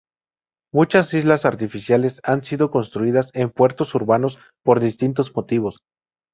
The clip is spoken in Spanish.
Muchas islas artificiales han sido construidas en puertos urbanos por distintos motivos.